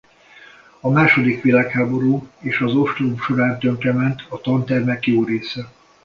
A második világháború és az ostrom során tönkrement a tantermek jó része.